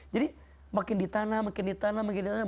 jadi makin ditanam makin ditanam makin ditanam